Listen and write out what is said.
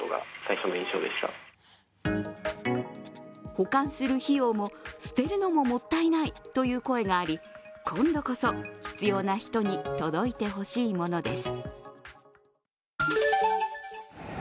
保管する費用も捨てるのももったいないという声があり、今度こそ必要な人に届いてほしいものです。